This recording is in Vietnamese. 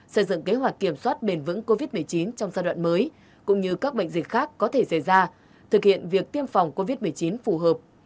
xây dựng kế hoạch kiểm soát bền vững covid một mươi chín trong giai đoạn mới cũng như các bệnh dịch khác có thể xảy ra thực hiện việc tiêm phòng covid một mươi chín phù hợp